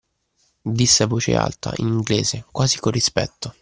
– disse a voce alta, in inglese, quasi con rispetto.